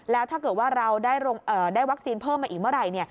แล้วถ้าเกิดว่าเราได้วัคซีนเพิ่มมาอีกเมื่อไหร่